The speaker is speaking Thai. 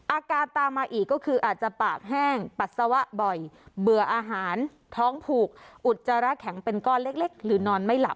อาการตามมาอีกก็คืออาจจะปากแห้งปัสสาวะบ่อยเบื่ออาหารท้องผูกอุจจาระแข็งเป็นก้อนเล็กหรือนอนไม่หลับ